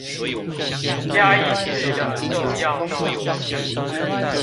嘉義市的重要道路